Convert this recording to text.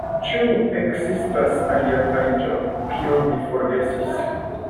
Ĉu ekzistas alia fariĝo, kiun mi forgesis?